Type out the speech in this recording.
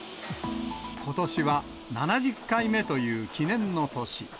ことしは７０回目という記念の年。